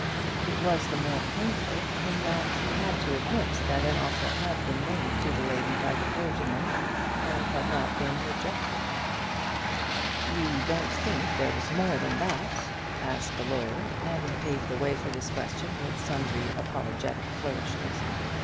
It was the more painful in that he had to admit that an offer had been made to the lady by the clergyman, and had not been rejected. "You don't think there was more than that?" asked the lawyer, having paved the way for his question with sundry apologetic flourishes.